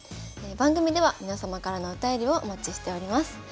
番組では皆様からのお便りをお待ちしております。